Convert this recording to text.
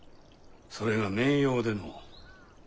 それが面妖での。